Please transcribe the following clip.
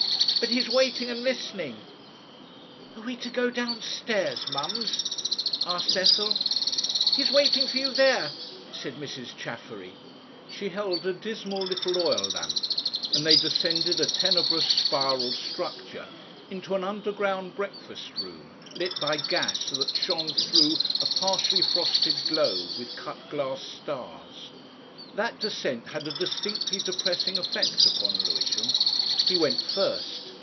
But he's waiting and listening " "Are we to go downstairs, Mums?" asked Ethel. "He's waiting for you there," said Mrs. Chaffery. She held a dismal little oil lamp, and they descended a tenebrous spiral structure into an underground breakfast room lit by gas that shone through a partially frosted globe with cut glass stars. That descent had a distinctly depressing effect upon Lewisham. He went first.